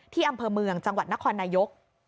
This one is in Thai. อำเภอเมืองจังหวัดนครนายก